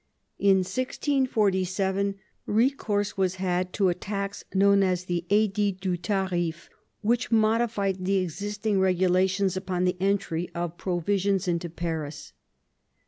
In 1647 recourse was had to a tax known as the idit du tariff which modified the existing regulations upon the entry of provisions into Paris.